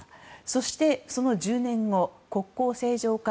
そして、その１０年後国交正常化